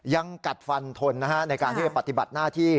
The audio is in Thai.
ยังกัดฟันทนในการที่จะปฏิบัติหน้าที่